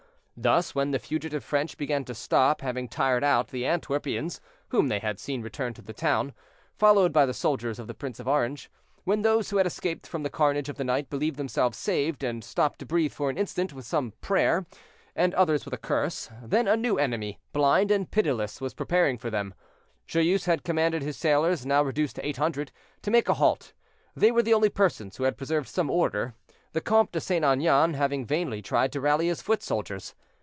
Thus, when the fugitive French began to stop, having tired out the Antwerpians, whom they had seen return to the town, followed by the soldiers of the Prince of Orange—when those who had escaped from the carnage of the night believed themselves saved, and stopped to breathe for an instant, some with a prayer, and others with a curse, then a new enemy, blind and pitiless, was preparing for them. Joyeuse had commanded his sailors, now reduced to eight hundred, to make a halt; they were the only persons who had preserved some order, the Comte de St. Aignan having vainly tried to rally his foot soldiers.